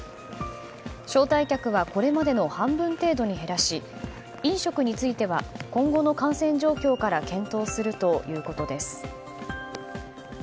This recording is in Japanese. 招待客はこれまでの半分程度に減らし飲食については今後の感染状況から検討するということです。